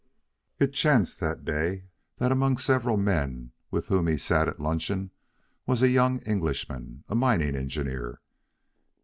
It chanced that day that among the several men with whom he sat at luncheon was a young Englishman, a mining engineer.